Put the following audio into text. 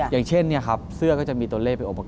อย่างเช่นเสื้อก็จะมีตัวเลขเป็นองค์ประกอบ